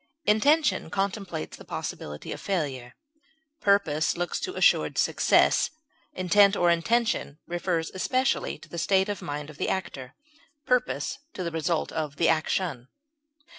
Intention contemplates the possibility of failure; purpose looks to assured success; intent or intention refers especially to the state of mind of the actor; purpose to the result of the action.